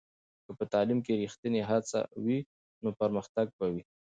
که په تعلیم کې ریښتینې هڅه وي، نو پرمختګ به وي.